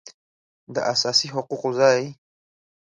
داساسي حقوقو ځای